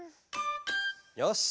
よし！